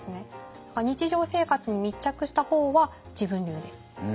日常生活に密着した方は自分流で。